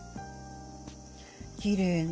きれいな。